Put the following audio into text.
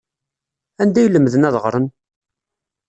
Anda ay lemden ad ɣren?